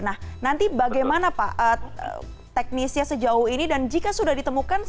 nah nanti bagaimana pak teknisnya sejauh ini dan jika sudah ditemukan